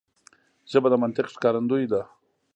ژبه د منطق ښکارندوی ده